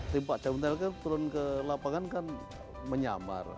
tim pak jamuntelka turun ke lapangan kan menyamar